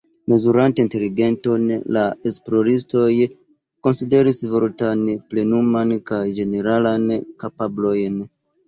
Mezurante inteligenton, la esploristoj konsideris vortan, plenuman kaj ĝeneralan kapablojn.